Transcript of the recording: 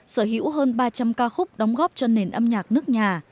sở hữu hơn ba trăm linh ca khúc đóng góp cho nền âm nhạc nước nhà